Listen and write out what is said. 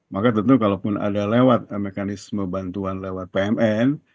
maka tentu kalaupun ada lewat mekanisme bantuan lewat pmn